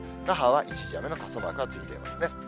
那覇は一時雨の傘マークがついてますね。